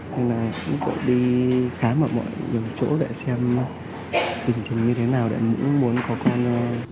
chúng tôi đi khám ở mọi chỗ để xem tình trình như thế nào để muốn có con